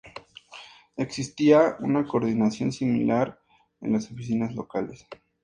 Existía una coordinación similar en las oficinas locales.